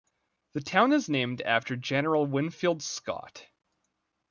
The town is named after General Winfield Scott.